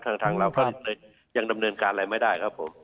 ทางเราก็ยังดำเนินการอะไรไม่ได้ครับผม